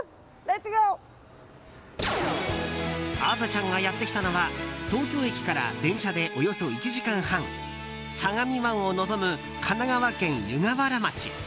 虻ちゃんがやってきたのは東京駅から電車でおよそ１時間半相模湾を望む神奈川県湯河原町。